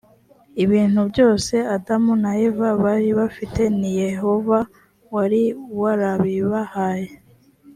ibintu byose adamu na eva bari bafite ni yehova wari warabibahaye